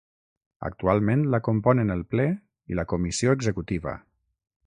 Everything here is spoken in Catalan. Actualment la componen el Ple i la Comissió Executiva.